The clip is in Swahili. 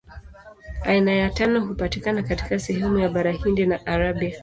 Aina ya tano hupatikana katika sehemu ya Bara Hindi na Arabia.